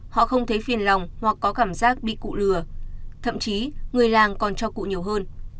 họ không thấy phiền lòng hoặc có cảm giác bị cụ lừa thậm chí người làng còn cho cụ nhiều hơn